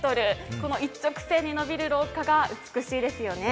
一直線に伸びる廊下が美しいですよね。